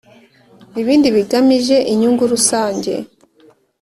ibindi bigamije inyungu rusange .